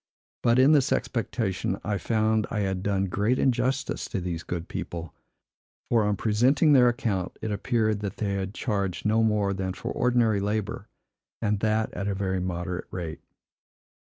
But in this expectation I found I had done great injustice to these good people; for, on presenting their account, it appeared they had charged no more than for ordinary labor, and that at a very moderate rate.